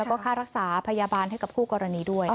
แล้วก็ค่ารักษาพยาบาลให้กับคู่กรณีด้วย